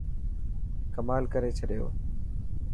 ڪمال ڪاري ڇڏيو.